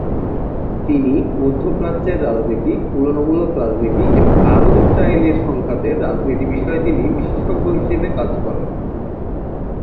তিনি মধ্যপ্রাচ্যের রাজনীতি, তুলনামূলক রাজনীতি এবং আরব-ইসরায়েলি সংঘাতের রাজনীতি বিষয়ে তিনি বিশেষজ্ঞ হিসেবে কাজ করেন।